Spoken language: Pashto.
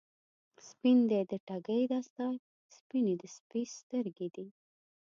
سپین دی د ټګۍ دستار، سپینې د سپي سترګی دي